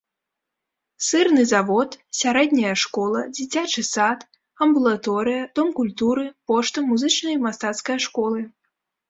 Сырны завод, сярэдняя школа, дзіцячы сад, амбулаторыя, дом культуры, пошта, музычная і мастацкая школы.